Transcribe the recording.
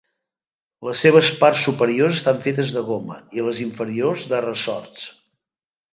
Les seves parts superiors estan fetes de goma, i les inferiors de ressorts.